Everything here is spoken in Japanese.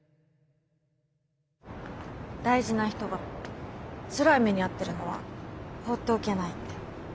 大事な人がつらい目に遭ってるのは放っておけないって。